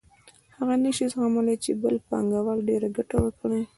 هغه نشي زغملای چې بل پانګوال ډېره ګټه وکړي